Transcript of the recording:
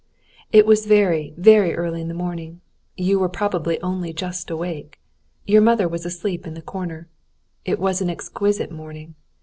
"It was very, very early in the morning. You were probably only just awake. Your mother was asleep in the corner. It was an exquisite morning.